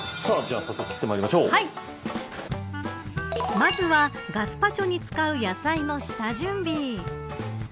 まずはガスパチョに使う野菜の下準備。